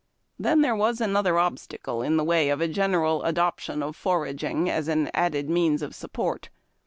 Then, there was another obstacle in the way of a general adoption of fonlging as an added means of support.